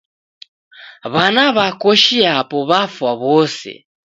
W'ana w'a koshi yapo w'afwa w'ose